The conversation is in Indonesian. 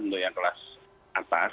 untuk yang kelas atas